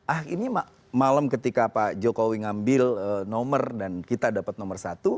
ah ini malam ketika pak jokowi ngambil nomor dan kita dapat nomor satu